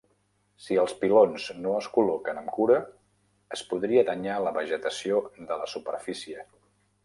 Si els pilons no es col·loquen amb cura, es podria danyar la vegetació de la superfície.